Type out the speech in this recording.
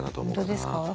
本当ですか。